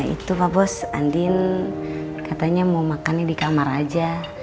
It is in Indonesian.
itu pak bos andin katanya mau makannya di kamar aja